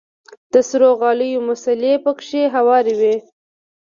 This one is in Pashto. د سرو غاليو مصلې پکښې هوارې وې.